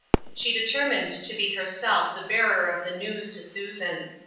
She determined to be herself the bearer of the news to Susan.